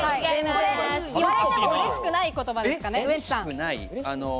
言われてもうれしくない言葉ですね。